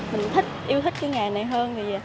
mình thích yêu thích cái nghề này hơn